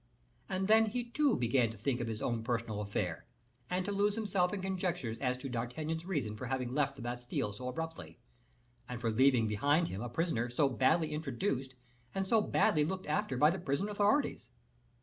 And then he too began to think of his own personal affair, and to lose himself in conjectures as to D'Artagnan's reason for having left the Bastile so abruptly, and for leaving behind him a prisoner so badly introduced and so badly looked after by the prison authorities.